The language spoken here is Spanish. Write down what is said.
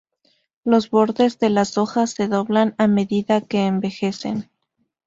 Los bordes de las hojas se doblan a medida que envejecen.